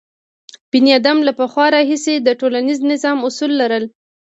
بنیادم له پخوا راهیسې د ټولنیز نظم اصول لرل.